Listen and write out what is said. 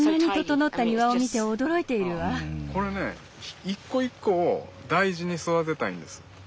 これね一個一個を大事に育てたいんです。